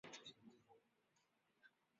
斯拉夫语使用体。